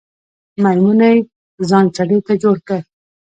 میمونۍ ځان چړې ته جوړ که